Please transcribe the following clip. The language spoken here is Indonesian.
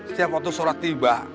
setiap waktu sholat tiba